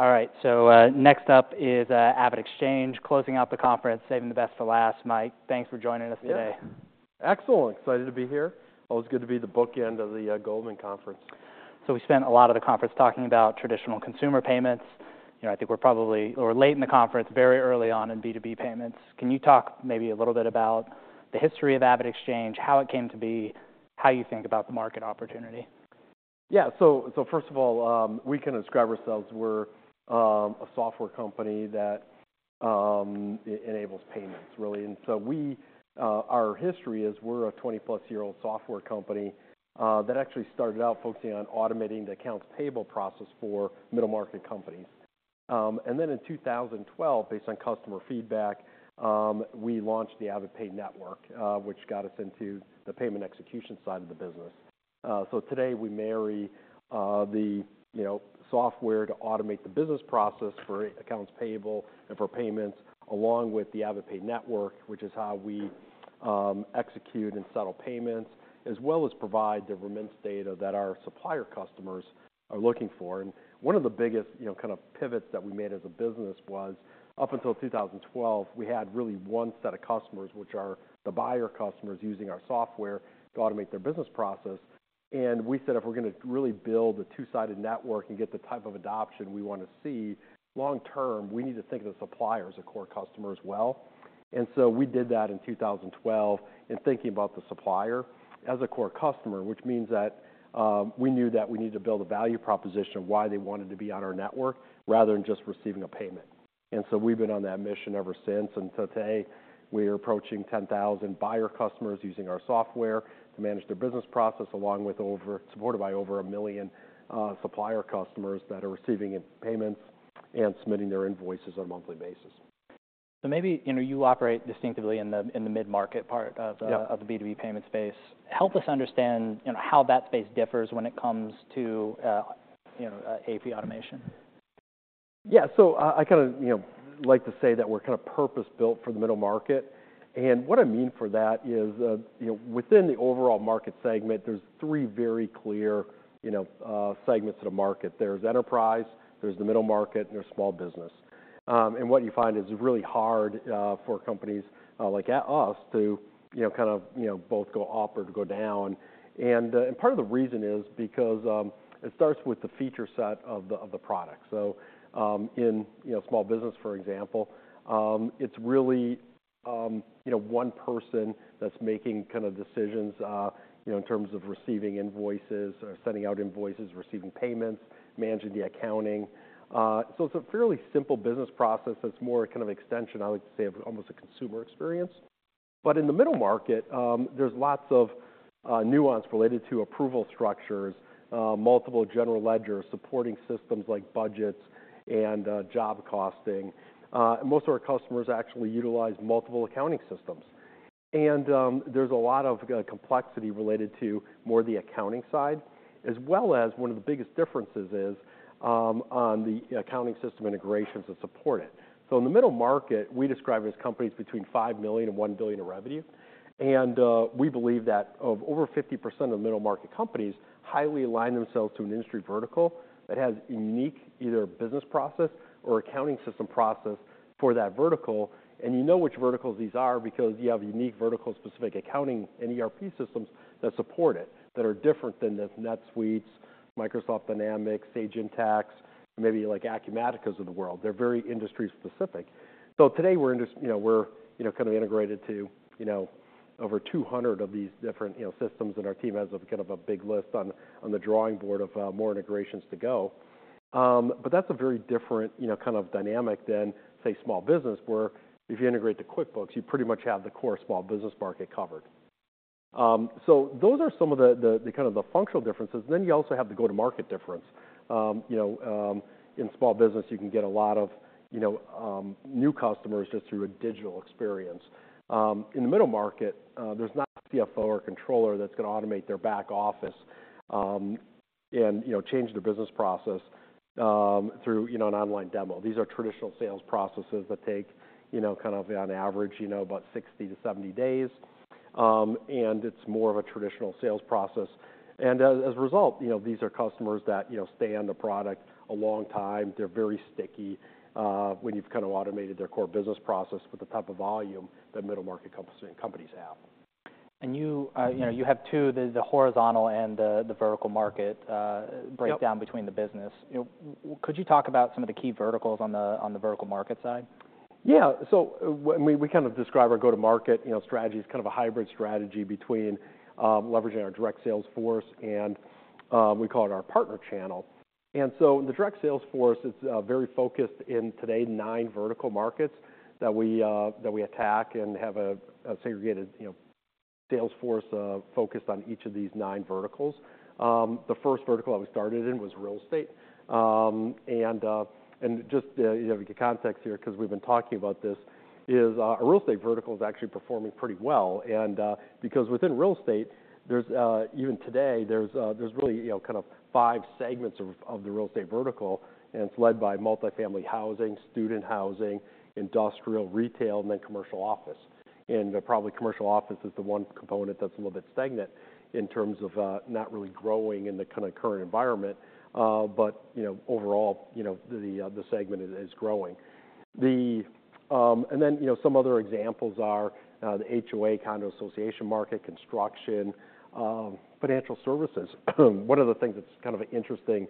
All right, so, next up is AvidXchange, closing out the conference, saving the best for last. Mike, thanks for joining us today. Yeah. Excellent. Excited to be here. Always good to be the bookend of the Goldman conference. So we spent a lot of the conference talking about traditional consumer payments. You know, I think we're probably late in the conference, very early on in B2B payments. Can you talk maybe a little bit about the history of AvidXchange, how it came to be, how you think about the market opportunity? Yeah. So first of all, we can describe ourselves, we're a software company that enables payments, really. And so our history is we're a 20+ year-old software company that actually started out focusing on automating the accounts payable process for middle-market companies. And then in 2012, based on customer feedback, we launched the AvidPay Network, which got us into the payment execution side of the business. So today we marry the, you know, software to automate the business process for accounts payable and for payments, along with the AvidPay Network, which is how we execute and settle payments, as well as provide the remittance data that our supplier customers are looking for. And one of the biggest, you know, kind of pivots that we made as a business was, up until 2012, we had really one set of customers, which are the buyer customers using our software to automate their business process. And we said, if we're gonna really build a two-sided network and get the type of adoption we want to see, long term, we need to think of the supplier as a core customer as well. And so we did that in 2012, in thinking about the supplier as a core customer, which means that, we knew that we needed to build a value proposition of why they wanted to be on our network rather than just receiving a payment. And so we've been on that mission ever since. So today, we are approaching 10,000 buyer customers using our software to manage their business process, along with over 1 million supplier customers that are receiving payments and submitting their invoices on a monthly basis. So maybe, you know, you operate distinctively in the mid-market part of the Yeah Of the B2B payment space. Help us understand, you know, how that space differs when it comes to, you know, AP automation? Yeah. So I kind of, you know, like to say that we're kind of purpose-built for the middle market. And what I mean for that is, you know, within the overall market segment, there's three very clear, you know, segments of the market. There's enterprise, there's the middle market, and there's small business. And what you find is it's really hard for companies like us to, you know, kind of both go up or to go down. And part of the reason is because it starts with the feature set of the product. So in, you know, small business, for example, it's really you know, one person that's making kind of decisions, you know, in terms of receiving invoices or sending out invoices, receiving payments, managing the accounting. So it's a fairly simple business process that's more a kind of extension, I would say, of almost a consumer experience. But in the middle market, there's lots of nuance related to approval structures, multiple general ledgers, supporting systems like budgets and job costing. And most of our customers actually utilize multiple accounting systems. And there's a lot of complexity related to more the accounting side, as well as one of the biggest differences is on the accounting system integrations that support it. So in the middle market, we describe it as companies between $5 million and 1 billion in revenue. And we believe that of over 50% of the middle market companies highly align themselves to an industry vertical that has unique, either business process or accounting system process for that vertical. You know which verticals these are because you have unique vertical specific accounting and ERP systems that support it, that are different than the NetSuite, Microsoft Dynamics, Sage Intacct, maybe like Acumatica of the world. They're very industry specific. Today we're in this... You know, we're, you know, kind of integrated to, you know, over 200 of these different, you know, systems, and our team has a kind of a big list on, on the drawing board of, more integrations to go. But that's a very different, you know, kind of dynamic than, say, small business, where if you integrate the QuickBooks, you pretty much have the core small business market covered. So those are some of the, the, kind of the functional differences. Then you also have the go-to-market difference. You know, in small business, you can get a lot of, you know, new customers just through a digital experience. In the middle market, there's not a CFO or controller that's going to automate their back office, and, you know, change their business process, through, you know, an online demo. These are traditional sales processes that take, you know, kind of on average, you know, about 60-70 days. And it's more of a traditional sales process. And as a result, you know, these are customers that, you know, stay on the product a long time. They're very sticky, when you've kind of automated their core business process with the type of volume that middle market companies have. You know, you have two, the horizontal and the vertical market. Yep Breakdown between the business. You know, could you talk about some of the key verticals on the, on the vertical market side? Yeah. So when we kind of describe our go-to-market, you know, strategy as kind of a hybrid strategy between leveraging our direct sales force and we call it our partner channel. And so the direct sales force is very focused in, today, nine vertical markets that we attack and have a segregated, you know, sales force focused on each of these nine verticals. The first vertical that we started in was real estate. And just, you know, the context here, because we've been talking about this, is our real estate vertical is actually performing pretty well. Because within real estate, there's even today, there's really, you know, kind of five segments of the real estate vertical, and it's led by multifamily housing, student housing, industrial, retail, and then commercial office. Probably commercial office is the one component that's a little bit stagnant in terms of not really growing in the kind of current environment. But, you know, overall, you know, the segment is growing. And then, you know, some other examples are the HOA, condo association market, construction, financial services. One of the things that's kind of interesting,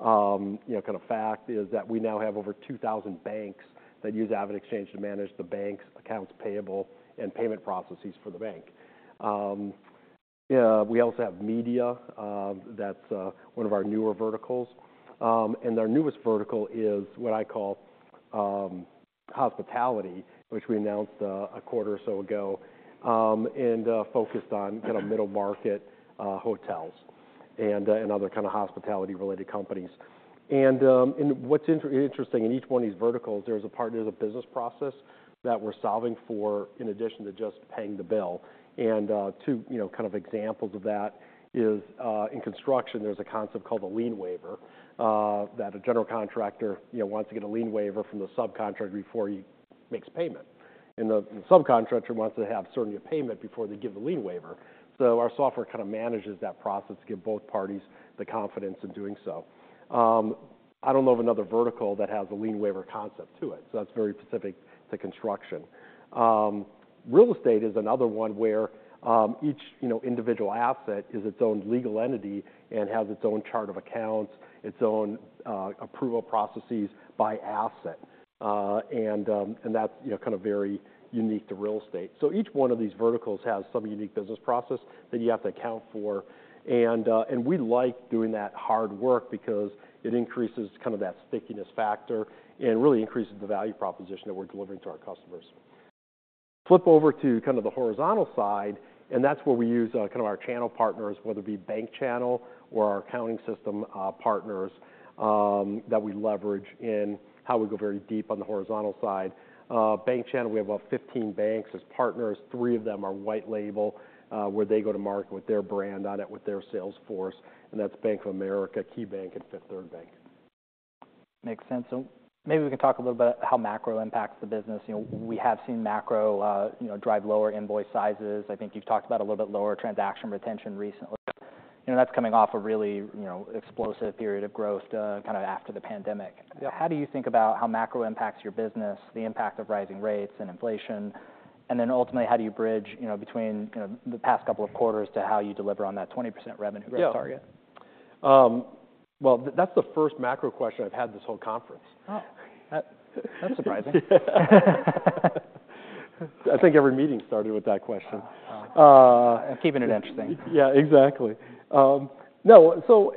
you know, kind of fact, is that we now have over 2,000 banks that use AvidXchange to manage the bank's accounts payable and payment processes for the bank. Yeah, we also have media, that's one of our newer verticals. And our newest vertical is what I call hospitality, which we announced a quarter or so ago, and focused on kind of middle market hotels and other kind of hospitality-related companies. And what's interesting in each one of these verticals, there's a business process that we're solving for in addition to just paying the bill. And two, you know, kind of examples of that is in construction, there's a concept called the lien waiver that a general contractor, you know, wants to get a lien waiver from the subcontractor before he makes payment. And the subcontractor wants to have certainly a payment before they give the lien waiver. So our software kind of manages that process to give both parties the confidence in doing so. I don't know of another vertical that has a Lien Waiver concept to it, so that's very specific to construction. Real estate is another one where, each, you know, individual asset is its own legal entity and has its own chart of accounts, its own, approval processes by asset, and, and that's, you know, kind of very unique to real estate. So each one of these verticals has some unique business process that you have to account for, and, and we like doing that hard work because it increases kind of that stickiness factor and really increases the value proposition that we're delivering to our customers. Flip over to kind of the horizontal side, and that's where we use kind of our channel partners, whether it be bank channel or our accounting system partners that we leverage in how we go very deep on the horizontal side. Bank channel, we have about 15 banks as partners. three of them are white label, where they go to market with their brand on it, with their sales force, and that's Bank of America, Keybanc, and Fifth Third Bank. Makes sense. So maybe we can talk a little about how macro impacts the business. You know, we have seen macro drive lower invoice sizes. I think you've talked about a little bit lower transaction retention recently. You know, that's coming off a really explosive period of growth, kinda after the pandemic. How do you think about how macro impacts your business, the impact of rising rates and inflation, and then ultimately, how do you bridge between the past couple of quarters to how you deliver on that 20% revenue growth target? Well, that's the first macro question I've had this whole conference. Oh, that's surprising. I think every meeting started with that question. Keeping it interesting. Yeah, exactly. No, so,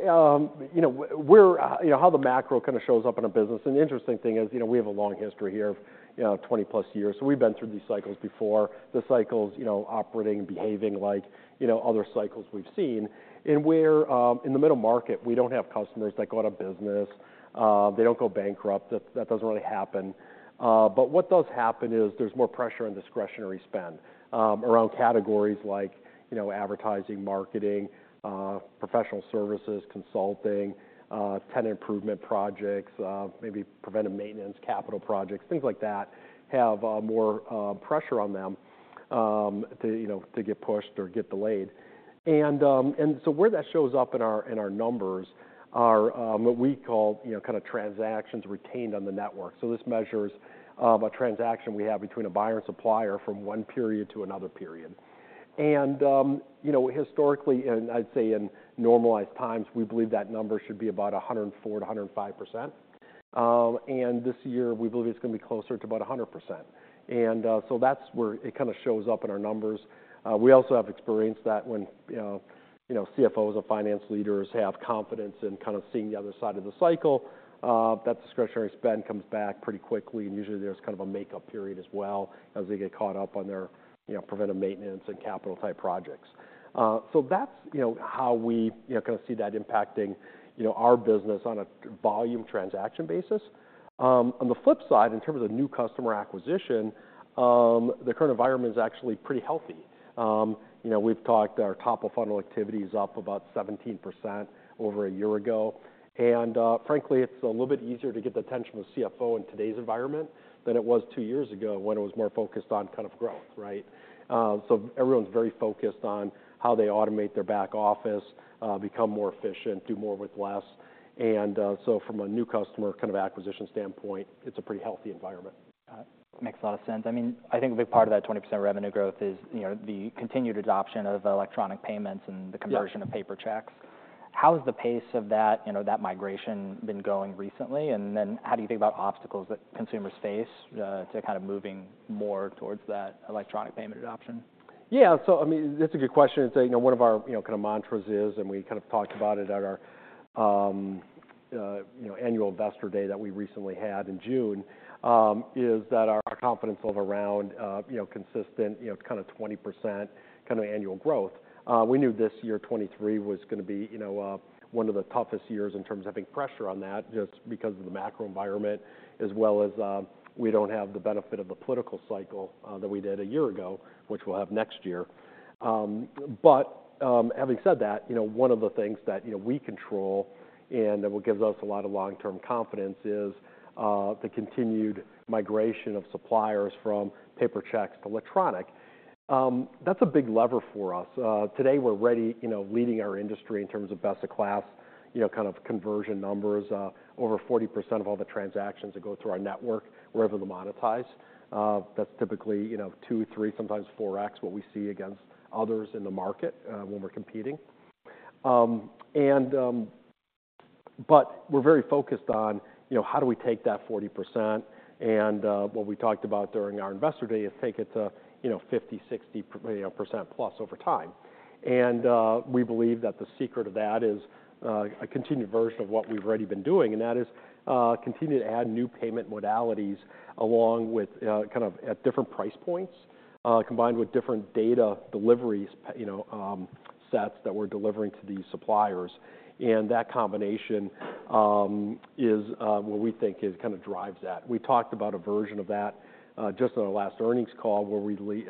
you know, we're, you know, how the macro kind of shows up in our business, an interesting thing is, you know, we have a long history here of, you know, 20+ years, so we've been through these cycles before. The cycle's, you know, operating and behaving like, you know, other cycles we've seen. And we're in the middle market, we don't have customers that go out of business. They don't go bankrupt. That doesn't really happen. But what does happen is there's more pressure on discretionary spend around categories like, you know, advertising, marketing, professional services, consulting, tenant improvement projects, maybe preventive maintenance, capital projects. Things like that have more pressure on them to, you know, to get pushed or get delayed. and so where that shows up in our numbers are what we call, you know, kind of transactions retained on the network. So this measures a transaction we have between a buyer and supplier from one period to another period. And you know, historically, and I'd say in normalized times, we believe that number should be about 104%-105%. And this year, we believe it's gonna be closer to about 100%. And so that's where it kinda shows up in our numbers. We also have experienced that when, you know, you know, CFOs or finance leaders have confidence in kind of seeing the other side of the cycle, that discretionary spend comes back pretty quickly, and usually there's kind of a make-up period as well, as they get caught up on their, you know, preventive maintenance and capital-type projects. So that's, you know, how we, you know, kind of see that impacting, you know, our business on a volume transaction basis. On the flip side, in terms of new customer acquisition, the current environment is actually pretty healthy. You know, we've talked, our top-of-funnel activity is up about 17% over a year ago. And, frankly, it's a little bit easier to get the attention of a CFO in today's environment than it was two years ago, when it was more focused on kind of growth, right? So everyone's very focused on how they automate their back office, become more efficient, do more with less. And, so from a new customer kind of acquisition standpoint, it's a pretty healthy environment. Makes a lot of sense. I mean, I think a big part of that 20% revenue growth is, you know, the continued adoption of electronic payments and the- Yeah Conversion of paper checks. How has the pace of that, you know, that migration been going recently? And then how do you think about obstacles that consumers face to kind of moving more towards that electronic payment adoption? Yeah, so I mean, that's a good question. So you know, one of our, you know, kind of mantras is, and we kind of talked about it at our, you know, annual investor day that we recently had in June, is that our confidence level around, you know, consistent, you know, kind of 20% kind of annual growth. We knew this year, 2023, was gonna be, you know, one of the toughest years in terms of having pressure on that, just because of the macro environment, as well as, we don't have the benefit of the political cycle, that we did a year ago, which we'll have next year. But, having said that, you know, one of the things that, you know, we control and what gives us a lot of long-term confidence is the continued migration of suppliers from paper checks to electronic. That's a big lever for us. Today, we're already, you know, leading our industry in terms of best of class, you know, kind of conversion numbers. Over 40% of all the transactions that go through our network, we're able to monetize. That's typically, you know, two, three, sometimes 4x what we see against others in the market, when we're competing. But we're very focused on, you know, how do we take that 40%, and what we talked about during our investor day is take it to, you know, 50, 60, you know, % plus over time. We believe that the secret of that is a continued version of what we've already been doing, and that is continue to add new payment modalities along with kind of at different price points combined with different data deliveries, you know, sets that we're delivering to these suppliers. And that combination is what we think is kind of drives that. We talked about a version of that just on our last earnings call, where we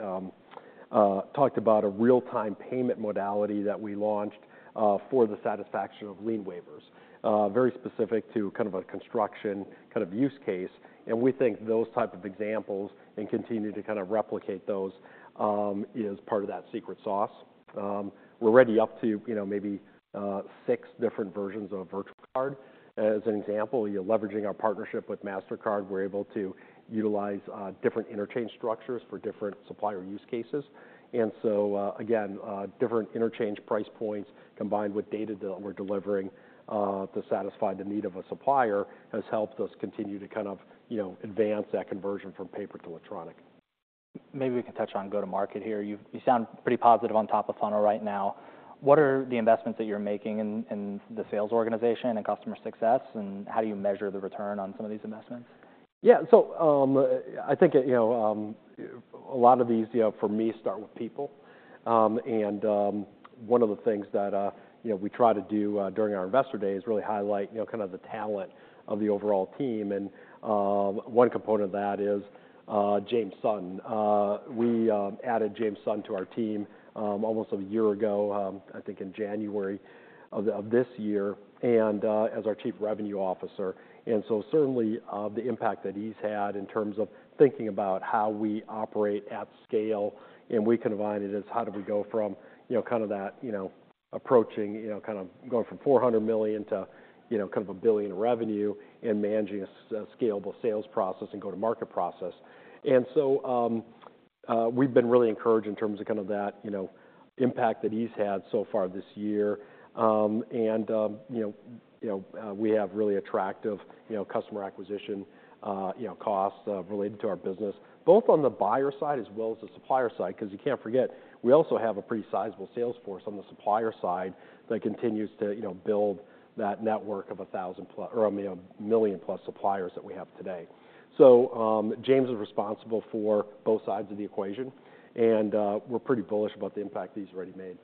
talked about a real-time payment modality that we launched for the satisfaction of lien waivers. Very specific to kind of a construction kind of use case, and we think those type of examples, and continue to kind of replicate those, is part of that secret sauce. We're already up to, you know, maybe, six different versions of a Virtual Card. As an example, you're leveraging our partnership with Mastercard, we're able to utilize different interchange structures for different supplier use cases. And so, again, different interchange price points combined with data we're delivering to satisfy the need of a supplier, has helped us continue to kind of, you know, advance that conversion from paper to electronic. Maybe we can touch on go-to-market here. You sound pretty positive on top of funnel right now. What are the investments that you're making in the sales organization and customer success, and how do you measure the return on some of these investments? Yeah. So, I think, you know, a lot of these, you know, for me, start with people. One of the things that, you know, we try to do during our investor day is really highlight, you know, kind of the talent of the overall team, and one component of that is James Sutton. We added James Sutton to our team almost a year ago, I think in January of the, of this year, and as our Chief Revenue Officer. Certainly, the impact that he's had in terms of thinking about how we operate at scale, and we combine it is how do we go from, you know, kind of that, you know, approaching, you know, kind of going from $400 million to, you know, kind of $1 billion in revenue and managing a scalable sales process and go-to-market process. We've been really encouraged in terms of kind of that, you know, impact that he's had so far this year. You know, we have really attractive, you know, customer acquisition, you know, costs related to our business, both on the buyer side as well as the supplier side, 'cause you can't forget, we also have a pretty sizable sales force on the supplier side that continues to, you know, build that network of a 1,000-plus... or, I mean, a 1,000,000-plus suppliers that we have today. So, James is responsible for both sides of the equation, and we're pretty bullish about the impact he's already made.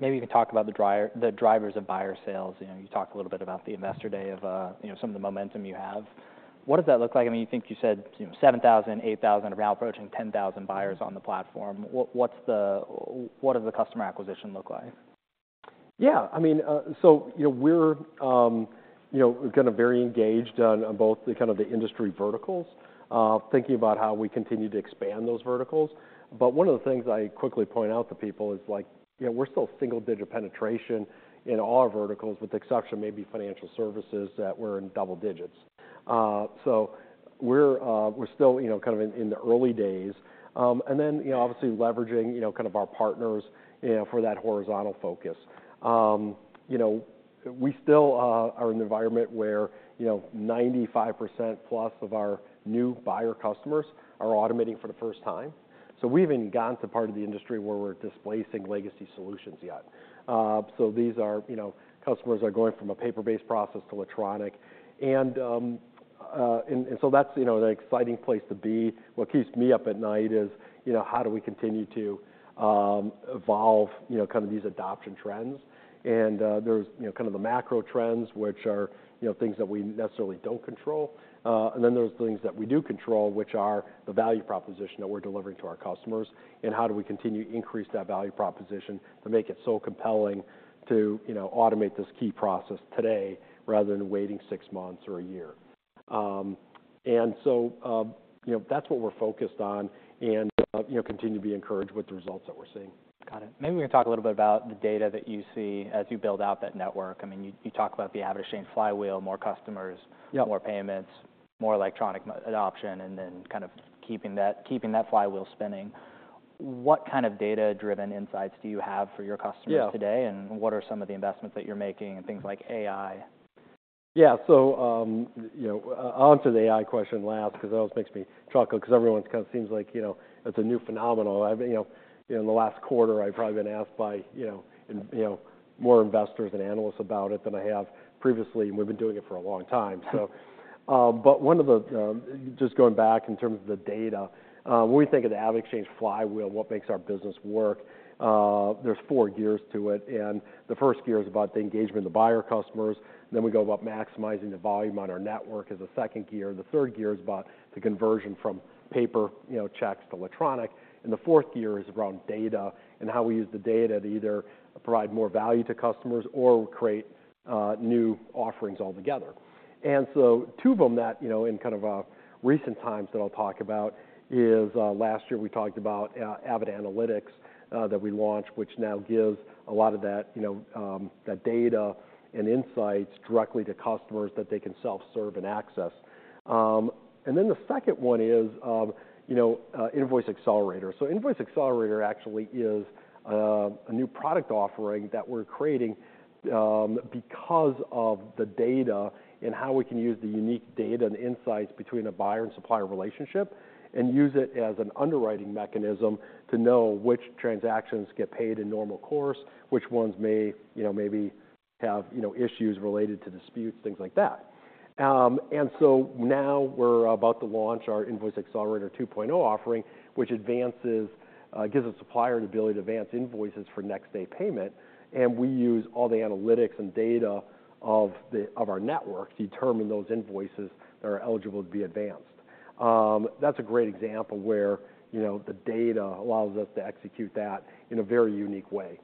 Maybe you can talk about the drivers of buyer sales. You know, you talked a little bit about the investor day of, you know, some of the momentum you have. What does that look like? I mean, you think you said, you know, 7,000, 8,000, now approaching 10,000 buyers on the platform. What does the customer acquisition look like? Yeah, I mean, so, you know, we're, you know, kind of very engaged on, on both the kind of the industry verticals, thinking about how we continue to expand those verticals. But one of the things I quickly point out to people is like: You know, we're still single-digit penetration in all our verticals, with the exception of maybe financial services, that we're in double digits. So we're, we're still, you know, kind of in, in the early days. And then, you know, obviously leveraging, you know, kind of our partners, you know, for that horizontal focus. You know, we still are in an environment where, you know, 95%+ of our new buyer customers are automating for the first time. So we haven't even gotten to part of the industry where we're displacing legacy solutions yet. So these are, you know, customers are going from a paper-based process to electronic. So that's, you know, an exciting place to be. What keeps me up at night is, you know, how do we continue to evolve, you know, kind of these adoption trends? There's, you know, kind of the macro trends, which are, you know, things that we necessarily don't control, and then there's things that we do control, which are the value proposition that we're delivering to our customers, and how do we continue to increase that value proposition to make it so compelling to, you know, automate this key process today rather than waiting six months or a year? You know, that's what we're focused on and, you know, continue to be encouraged with the results that we're seeing. Got it. Maybe we can talk a little bit about the data that you see as you build out that network. I mean, you, you talked about the averaging flywheel, more customers- Yeah. More payments, more electronic adoption, and then kind of keeping that, keeping that flywheel spinning. What kind of data-driven insights do you have for your customers? Yeah Today, and what are some of the investments that you're making in things like AI? Yeah. So, you know, onto the AI question last, 'cause it always makes me chuckle, 'cause everyone kind of seems like, you know, it's a new phenomenon. I mean, you know, in the last quarter, I've probably been asked by more investors and analysts about it than I have previously, and we've been doing it for a long time. So, but one of the, Just going back in terms of the data, when we think of the AvidXchange flywheel, what makes our business work, there's four gears to it, and the first gear is about the engagement of the buyer customers, then we go about maximizing the volume on our network as a second gear, and the third gear is about the conversion from paper, you know, checks to electronic, and the fourth gear is around data and how we use the data to either provide more value to customers or create new offerings altogether. And so two of them that, you know, in kind of recent times that I'll talk about is, last year we talked about Avid Analytics that we launched, which now gives a lot of that, you know, that data and insights directly to customers that they can self-serve and access. And then the second one is, you know, Invoice Accelerator. So Invoice Accelerator actually is a new product offering that we're creating, because of the data and how we can use the unique data and insights between a buyer and supplier relationship, and use it as an underwriting mechanism to know which transactions get paid in normal course, which ones may, you know, maybe have, you know, issues related to disputes, things like that. And so now we're about to launch our Invoice Accelerator 2.0 offering, which advances, gives a supplier an ability to advance invoices for next day payment, and we use all the analytics and data of our network to determine those invoices that are eligible to be advanced. That's a great example where, you know, the data allows us to execute that in a very unique way.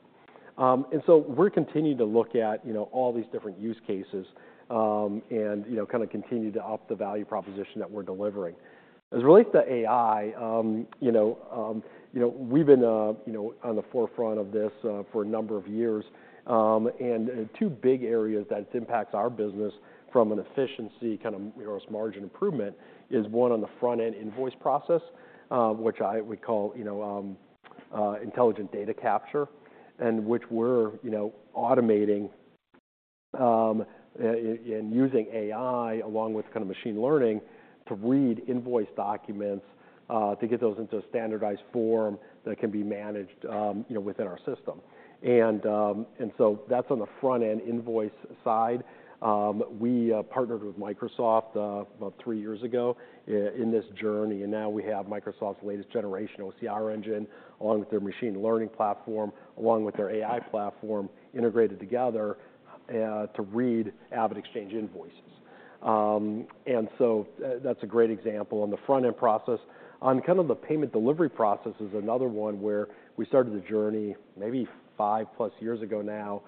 And so we're continuing to look at, you know, all these different use cases, and, you know, kind of continue to up the value proposition that we're delivering. As it relates to AI, you know, you know, we've been, you know, on the forefront of this, for a number of years. And the two big areas that impacts our business from an efficiency, kind of, gross margin improvement, is one, on the front end invoice process, which we call, you know, intelligent data capture, and which we're, you know, automating, and using AI along with kind of machine learning, to read invoice documents, to get those into a standardized form that can be managed, you know, within our system. And, and so that's on the front end invoice side. We partnered with Microsoft about three years ago in this journey, and now we have Microsoft's latest generation OCR engine, along with their machine learning platform, along with their AI platform, integrated together, to read AvidXchange invoices. And so that's a great example on the front end process. One kind of the payment delivery process is another one where we started the journey maybe 5+ years ago now,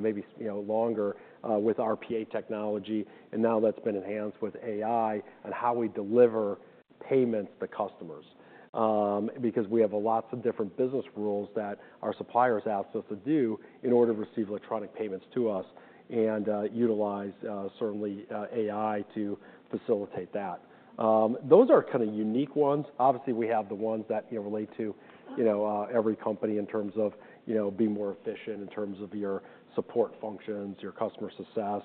maybe, you know, longer, with RPA technology, and now that's been enhanced with AI and how we deliver payments to customers. Because we have lots of different business rules that our suppliers ask us to do in order to receive electronic payments to us, and utilize certainly AI to facilitate that. Those are kind of unique ones. Obviously, we have the ones that, you know, relate to, you know, every company in terms of, you know, being more efficient in terms of your support functions, your customer success,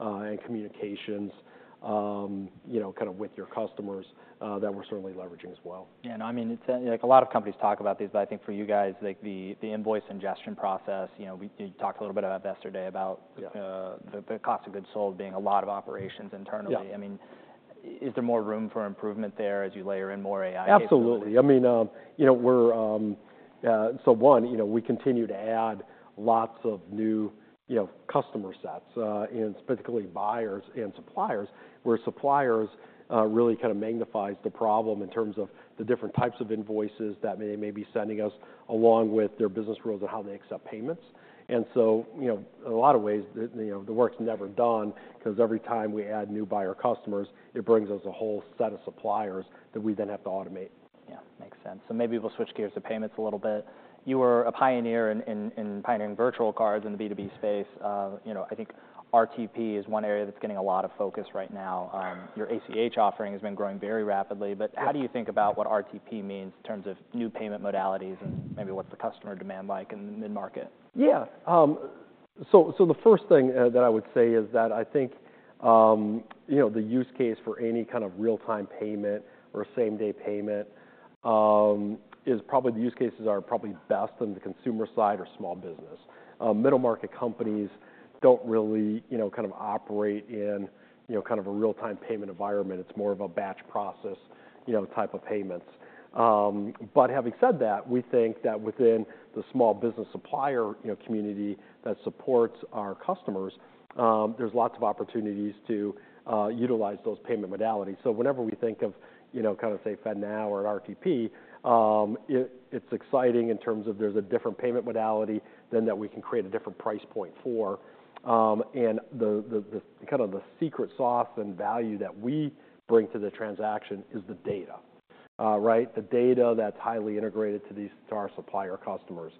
and communications, you know, kind of with your customers, that we're certainly leveraging as well. Yeah, and I mean, it's like a lot of companies talk about these, but I think for you guys, like the invoice ingestion process, you know, you talked a little bit about yesterday, about- Yeah The cost of goods sold being a lot of operations internally. Yeah. I mean, is there more room for improvement there as you layer in more AI? Absolutely. I mean, you know, we're. So, you know, we continue to add lots of new, you know, customer sets, and specifically buyers and suppliers. Where suppliers really kind of magnifies the problem in terms of the different types of invoices that they may be sending us, along with their business rules on how they accept payments. And so, you know, in a lot of ways, the, you know, the work's never done, 'cause every time we add new buyer customers, it brings us a whole set of suppliers that we then have to automate. Yeah, makes sense. So maybe we'll switch gears to payments a little bit. You were a pioneer in pioneering virtual cards in the B2B space. You know, I think RTP is one area that's getting a lot of focus right now. Your ACH offering has been growing very rapidly. Yeah. But how do you think about what RTP means in terms of new payment modalities and maybe what's the customer demand like in the mid-market? Yeah. So the first thing that I would say is that I think you know the use cases for any kind of real-time payment or same-day payment are probably best on the consumer side or small business. Middle market companies don't really you know kind of operate in you know kind of a real-time payment environment. It's more of a batch process you know type of payments. But having said that, we think that within the small business supplier you know community that supports our customers there's lots of opportunities to utilize those payment modalities. So whenever we think of you know kind of say FedNow or RTP it's exciting in terms of there's a different payment modality then that we can create a different price point for. And the kind of secret sauce and value that we bring to the transaction is the data. Right? The data that's highly integrated to our supplier customers.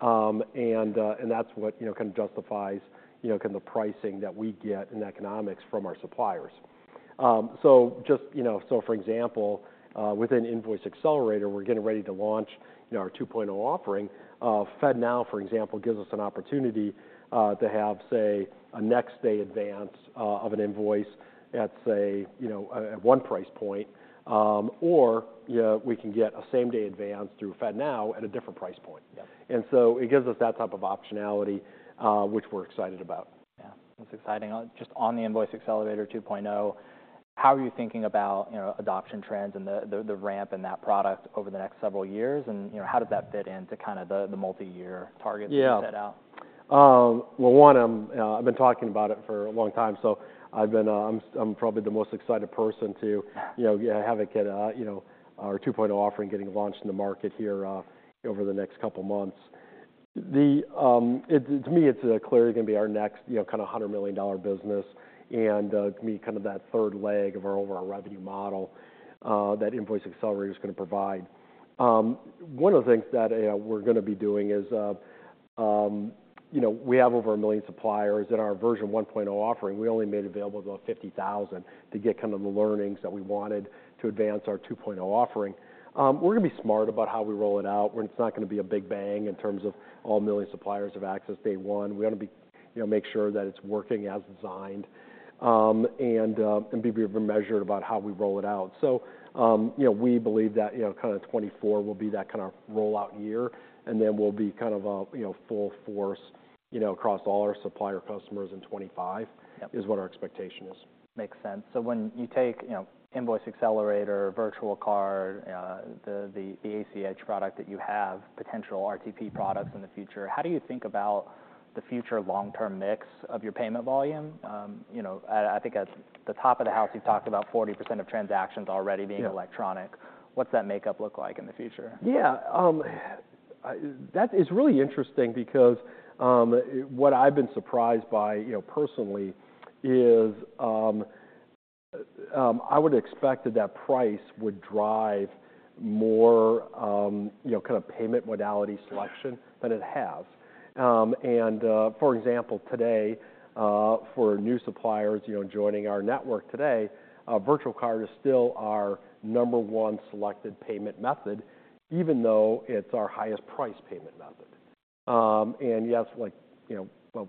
And that's what, you know, kind of justifies, you know, kind of the pricing that we get in economics from our suppliers. So just, you know... So for example, within Invoice Accelerator, we're getting ready to launch, you know, our 2.0 offering. FedNow, for example, gives us an opportunity to have, say, a next day advance of an invoice at, say, you know, at one price point, or, you know, we can get a same-day advance through FedNow at a different price point. Yeah. And so it gives us that type of optionality, which we're excited about. That's exciting. Just on the Invoice Accelerator 2.0, how are you thinking about, you know, adoption trends and the ramp in that product over the next several years? And, you know, how does that fit in to kind of the multi-year targets you set out? Yeah. Well, one, I've been talking about it for a long time, so I've been-- I'm probably the most excited person to, you know, yeah, have it get, you know, our 2.0 offering getting launched in the market here, over the next couple of months. To me, it's clearly gonna be our next, you know, kind of $100 million business, and to me, kind of that third leg of our overall revenue model, that Invoice Accelerator is gonna provide. One of the things that we're gonna be doing is, you know, we have over 1 million suppliers in our version 1.0 offering. We only made available about 50,000 to get kind of the learnings that we wanted to advance our 2.0 offering. We're gonna be smart about how we roll it out, where it's not gonna be a big bang in terms of all million suppliers have access day one. We're gonna be, you know, make sure that it's working as designed, and be very measured about how we roll it out. So, you know, we believe that, you know, kind of 2024 will be that kind of rollout year, and then we'll be kind of, you know, full force, you know, across all our supplier customers in 2025- Yep. Is what our expectation is. Makes sense. So when you take, you know, Invoice Accelerator, Virtual Card, the ACH product that you have, potential RTP products in the future, how do you think about the future long-term mix of your payment volume? You know, I think at the top of the house, you've talked about 40% of transactions already being- Yeah Electronic. What's that makeup look like in the future? Yeah. That is really interesting because what I've been surprised by, you know, personally, is I would expect that that price would drive more, you know, kind of payment modality selection than it has. And for example, today, for new suppliers, you know, joining our network today, virtual card is still our number one selected payment method, even though it's our highest price payment method. And yes, like, you know, well,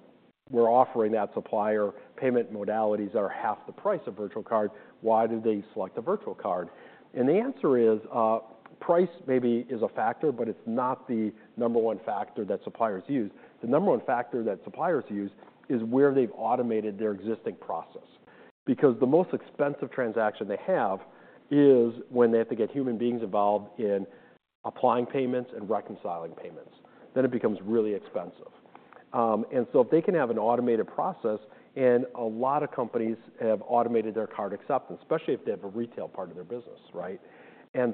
we're offering that supplier payment modalities that are half the price of virtual card. Why do they select a virtual card? And the answer is, price maybe is a factor, but it's not the number one factor that suppliers use. The number one factor that suppliers use is where they've automated their existing process, because the most expensive transaction they have is when they have to get human beings involved in applying payments and reconciling payments, then it becomes really expensive. And so if they can have an automated process, and a lot of companies have automated their card acceptance, especially if they have a retail part of their business, right? And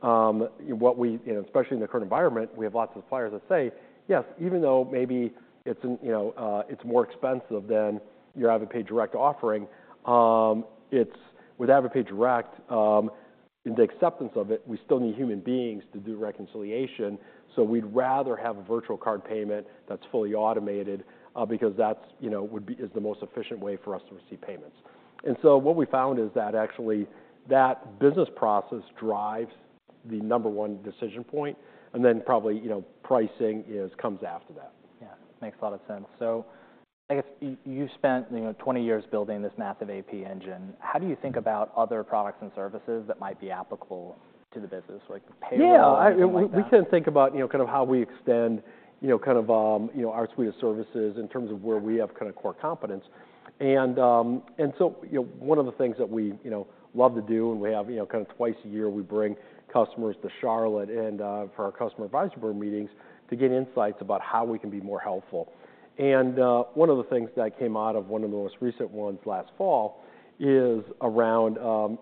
so, what we—you know, especially in the current environment, we have lots of suppliers that say, "Yes, even though maybe it's, you know, it's more expensive than your AvidPay Direct offering, with AvidPay Direct, and the acceptance of it, we still need human beings to do reconciliation, so we'd rather have a virtual card payment that's fully automated, because that's, you know, is the most efficient way for us to receive payments." And so what we found is that actually, that business process drives the number one decision point, and then probably, you know, pricing comes after that. Yeah, makes a lot of sense. So I guess you've spent, you know, 20 years building this massive AP engine. How do you think about other products and services that might be applicable to the business, like payroll or anything like that? Yeah, we then think about, you know, kind of how we extend, you know, kind of, you know, our suite of services in terms of where we have kind of core competence. And so, you know, one of the things that we, you know, love to do, and we have, you know, kind of twice a year, we bring customers to Charlotte and for our customer advisory board meetings, to get insights about how we can be more helpful. And, one of the things that came out of one of the most recent ones last fall is around,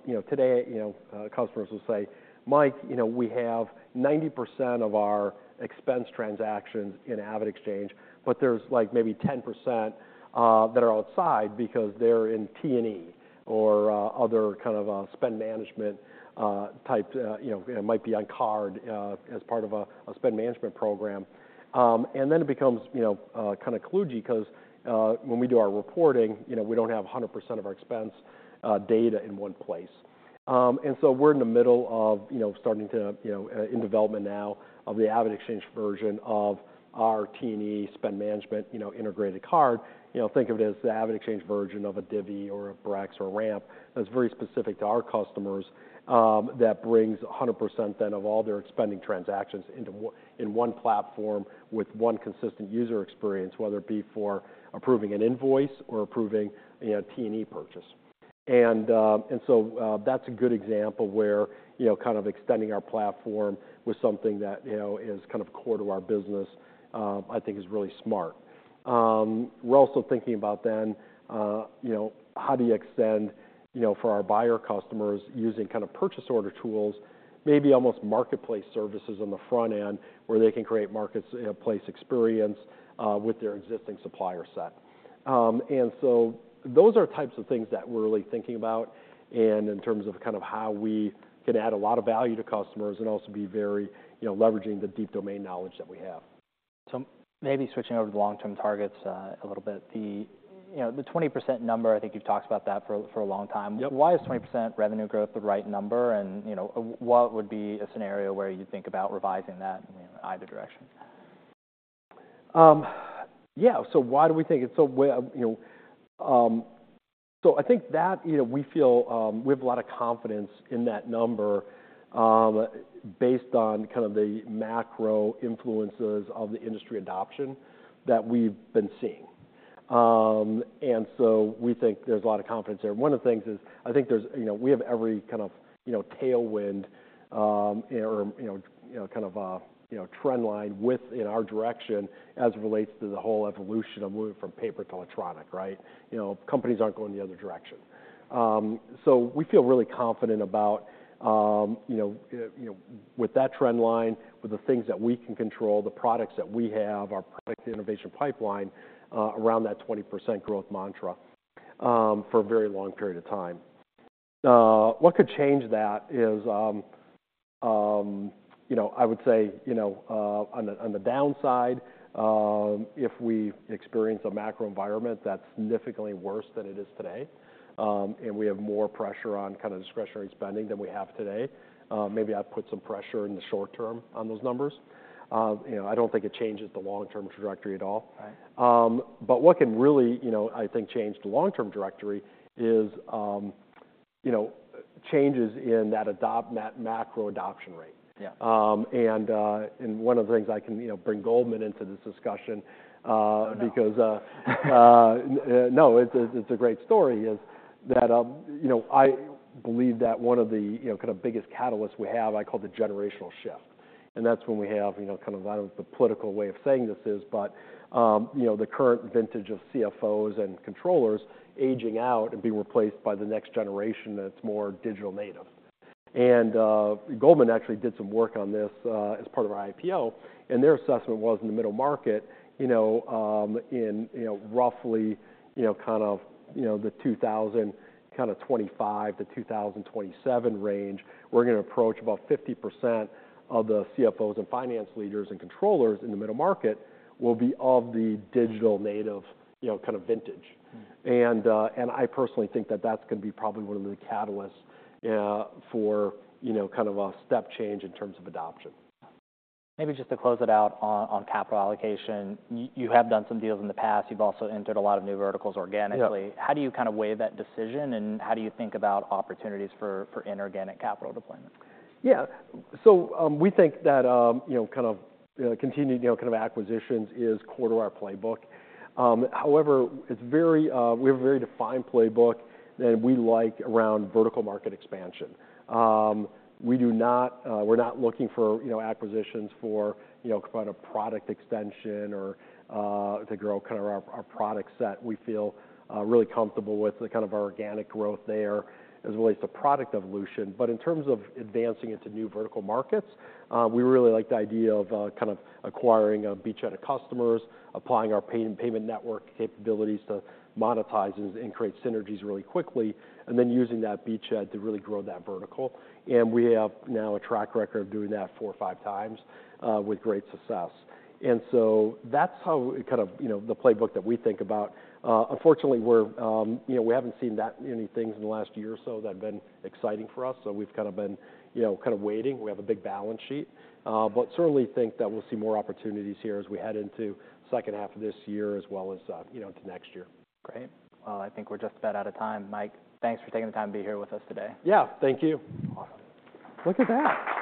you know, today, you know, customers will say, "Mike, you know, we have 90% of our expense transactions in AvidXchange, but there's, like, maybe 10%, that are outside because they're in T&E or, other kind of, spend management, type, you know, it might be on card, as part of a spend management program. And then it becomes, you know, kind of kludgy 'cause, when we do our reporting, you know, we don't have 100% of our expense data in one place." And so we're in the middle of, you know, starting to, you know, in development now of the AvidXchange version of our T&E spend management, you know, integrated card. You know, think of it as the AvidXchange version of a Divvy or a Brex or a Ramp, that's very specific to our customers, that brings 100% then of all their spending transactions into one platform with one consistent user experience, whether it be for approving an invoice or approving, you know, T&E purchase. And so, that's a good example where, you know, kind of extending our platform with something that, you know, is kind of core to our business, I think is really smart. We're also thinking about then, you know, how do you extend, you know, for our buyer customers using kind of purchase order tools, maybe almost marketplace services on the front end, where they can create markets, place experience, with their existing supplier set. And so those are types of things that we're really thinking about, and in terms of kind of how we can add a lot of value to customers and also be very, you know, leveraging the deep domain knowledge that we have. So maybe switching over to long-term targets, a little bit. The, you know, the 20% number, I think you've talked about that for a long time. Yep. Why is 20% revenue growth the right number? And, you know, what would be a scenario where you think about revising that in either direction? So I think that, you know, we feel, we have a lot of confidence in that number, based on kind of the macro influences of the industry adoption that we've been seeing. And so we think there's a lot of confidence there. One of the things is, I think there's, you know, we have every kind of, you know, tailwind, or, you know, you know, kind of a, you know, trend line with, in our direction as it relates to the whole evolution of moving from paper to electronic, right? You know, companies aren't going the other direction. So we feel really confident about, you know, you know, with that trend line, with the things that we can control, the products that we have, our product innovation pipeline, around that 20% growth mantra, for a very long period of time. What could change that is, you know, I would say, you know, on the downside, if we experience a macro environment that's significantly worse than it is today, and we have more pressure on kind of discretionary spending than we have today, maybe I'd put some pressure in the short term on those numbers. You know, I don't think it changes the long-term trajectory at all. Right. But what can really, you know, I think, change the long-term trajectory is, you know, changes in that macro adoption rate. Yeah. One of the things I can, you know, bring Goldman into this discussion. No. Because, no, it's a great story, is that, you know, I believe that one of the, you know, kind of biggest catalysts we have. I call the generational shift. And that's when we have, you know, kind of, I don't know what the political way of saying this is, but, you know, the current vintage of CFOs and controllers aging out and being replaced by the next generation that's more digital native. Goldman actually did some work on this, as part of our IPO, and their assessment was in the middle market, you know, in, you know, roughly, you know, kind of, you know, the 2025 to 2027 range, we're gonna approach about 50% of the CFOs and finance leaders and controllers in the middle market, will be of the digital native, you know, kind of vintage. And I personally think that that's gonna be probably one of the catalysts for, you know, kind of a step change in terms of adoption. Maybe just to close it out on capital allocation. You have done some deals in the past, you've also entered a lot of new verticals organically. Yeah. How do you kind of weigh that decision, and how do you think about opportunities for inorganic capital deployment? Yeah. So, we think that, you know, kind of, continuing, you know, kind of acquisitions is core to our playbook. However, it's very, we have a very defined playbook that we like around vertical market expansion. We do not, we're not looking for, you know, acquisitions for, you know, kind of product extension or, to grow kind of our, our product set. We feel, really comfortable with the kind of organic growth there as it relates to product evolution. But in terms of advancing into new vertical markets, we really like the idea of, kind of acquiring a beachhead of customers, applying our pay and payment network capabilities to monetize and, and create synergies really quickly, and then using that beachhead to really grow that vertical. We have now a track record of doing that four or 5x, with great success. And so that's how we kind of, you know, the playbook that we think about. Unfortunately, we're, you know, we haven't seen that many things in the last year or so that have been exciting for us, so we've kind of been, you know, kind of waiting. We have a big balance sheet, but certainly think that we'll see more opportunities here as we head into second half of this year, as well as, you know, to next year. Great. Well, I think we're just about out of time. Mike, thanks for taking the time to be here with us today. Yeah, thank you. Awesome. Look at that!